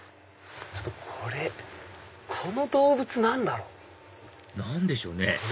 これこの動物何だろう？何でしょうね？